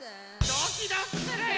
ドキドキするよ。